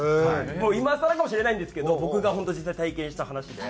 今更かもしれないんですけど僕が本当実際体験した話で。